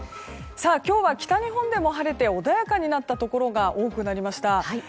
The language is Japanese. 今日は北日本でも晴れて穏やかになったところが多くなりました。